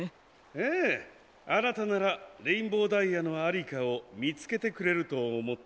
ええあなたならレインボーダイヤのありかをみつけてくれるとおもったのです。